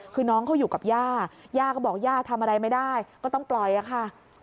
คือน้องเขาอยู่กับย่าย่าก็บอกย่าทำอะไรไม่ได้ก็ต้องปล่อยค่ะ